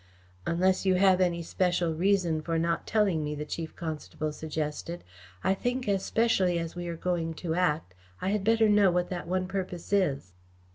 "Unless you have any special reason for not telling me," the Chief Constable suggested, "I think, especially as we are going to act, I had better know what that one purpose is."